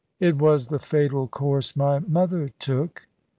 "It was the fatal course my mother took.